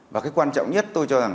và cái quan trọng nhất tôi cho rằng